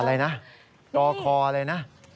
อะไรนะนี่กอนคอเลยนะ